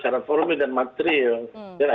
syarat formal dan materil dan akhirnya